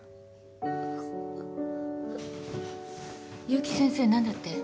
結城先生何だって？